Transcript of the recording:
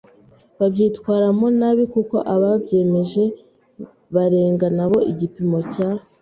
babyitwaramo nabi kuko ababyemeje barenga nabo igipimo cya